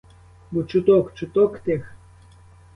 Бо чуток, чуток тих!